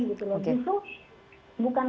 gitu loh justru bukan